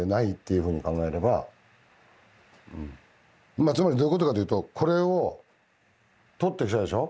まあつまりどういうことかというとこれを採ってきたでしょ。